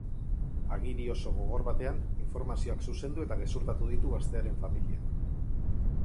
Agiri oso gogor batean, informazioak zuzendu eta gezurtatu ditu gaztearen familiak.